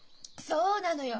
そうなのよ。